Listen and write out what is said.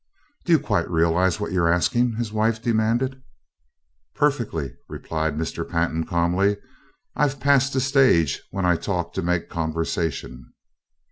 "Do you quite realize what you are asking?" his wife demanded. "Perfectly," replied Mr. Pantin, calmly. "I've passed the stage when I talk to make conversation."